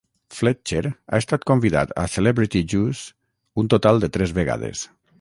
Fletcher ha estat convidat a Celebrity Juice un total de tres vegades.